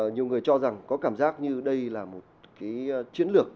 nhiều người cho rằng có cảm giác như đây là một trường hợp